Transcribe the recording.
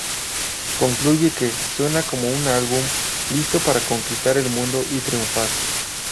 Concluye que "suena como un álbum listo para conquistar el mundo y triunfar".